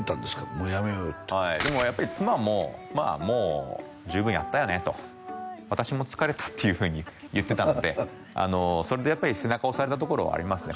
もうやめるってはいでもやっぱり妻ももう十分やったよねと私も疲れたっていうふうに言ってたのでそれでやっぱり背中押されたところはありますね